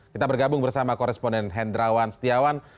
kita bergabung bersama koresponen hendrawan setiawan